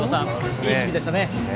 いい守備でしたね。